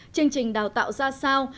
chương trình đào tạo ra sao